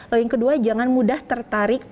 lalu yang kedua jangan mudah tertarik